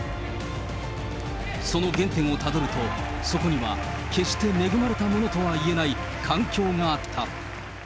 その原点をたどると、そこには決して恵まれたものとはいえない環境があった。